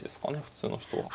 普通の人は。